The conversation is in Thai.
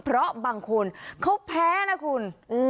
เพราะบางคนเขาแพ้นะคุณ